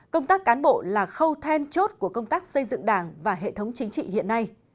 công tác cán bộ là khâu then chốt của công tác xây dựng đảng và hệ thống chính trị hiện nay